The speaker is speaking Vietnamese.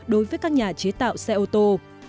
đối với các nhà chế tạo xe ô tô